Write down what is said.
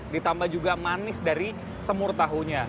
ditambah juga manis dari semur tahunya